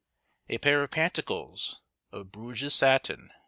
A pair of pantacles, of Bruges satin, 3_s.